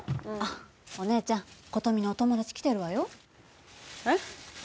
お姉ちゃん琴美のお友達来てるわよえっ？